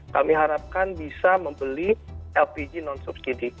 kami harapkan bisa membeli lpg non subsidi